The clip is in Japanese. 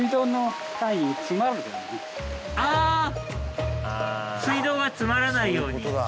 あぁ水道が詰まらないように。